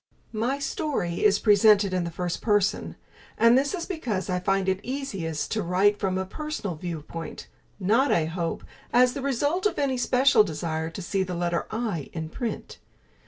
My story is presented in the first person, and this is because I find it easiest to write from a personal viewpoint not, I hope, as the result of any special desire to see the letter I in print.